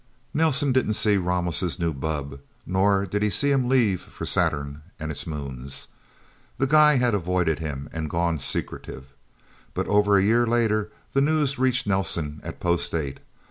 Nelsen didn't see Ramos' new bubb, nor did he see him leave for Saturn and its moons. The guy had avoided him, and gone secretive. But over a year later, the news reached Nelsen at Post Eight.